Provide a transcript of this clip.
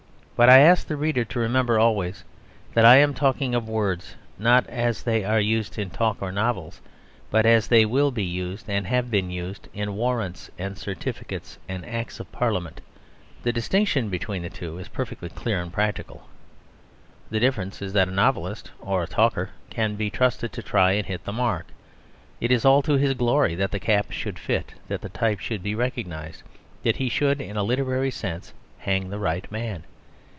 But I ask the reader to remember always that I am talking of words, not as they are used in talk or novels, but as they will be used, and have been used, in warrants and certificates, and Acts of Parliament. The distinction between the two is perfectly clear and practical. The difference is that a novelist or a talker can be trusted to try and hit the mark; it is all to his glory that the cap should fit, that the type should be recognised; that he should, in a literary sense, hang the right man.